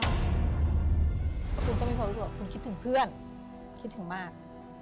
เพราะคุณก็มีความรู้สึกว่าคุณคิดถึงเพื่อนคิดถึงมาก